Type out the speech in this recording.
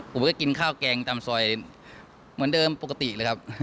ผมก็กินข้าวแกงตามซอยเหมือนเดิมปกติเลยครับ